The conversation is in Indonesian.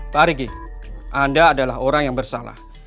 pak riki anda adalah orang yang bersalah